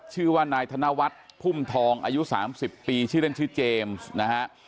ชื่อว่านายธนวัฒน์พุ่มทองอายุ๓๐ปีชื่อเล่นชื่อเจมส์นะฮะ